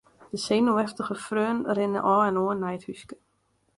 De senuweftige freonen rinne ôf en oan nei it húske.